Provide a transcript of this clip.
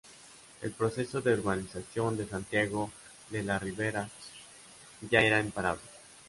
El proceso de urbanización de Santiago de la Ribera ya era imparable.